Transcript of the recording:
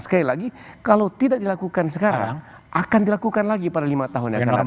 sekali lagi kalau tidak dilakukan sekarang akan dilakukan lagi pada lima tahun yang akan datang